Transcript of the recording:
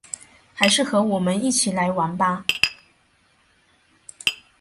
还是和我们一起来玩吧